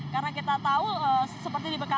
karena kita tahu seperti diberitakan